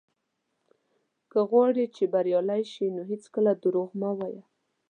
که غواړې چې بريالی شې، نو هېڅکله دروغ مه وايه.